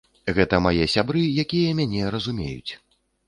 Гэта мае сябры, якія мяне разумеюць.